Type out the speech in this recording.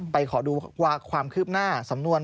ขอดูความคืบหน้าสำนวน